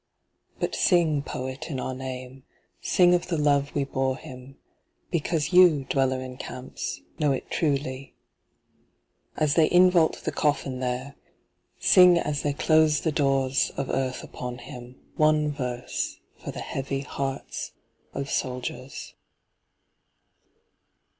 But sing poet in our name, Sing of the love we bore him because you, dweller in camps, know it truly. As they invault the coffin there, Sing as they close the doors of earth upon him one verse, For the heavy hearts of soldiers.